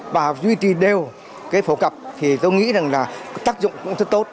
và duy trì đều cái phổ cập thì tôi nghĩ rằng là tác dụng cũng rất tốt